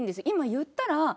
今言ったら。